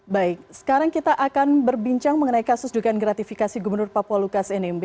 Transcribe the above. baik sekarang kita akan berbincang mengenai kasus dugaan gratifikasi gubernur papua lukas nmb